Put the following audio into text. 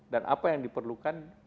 dan apa yang diperlukan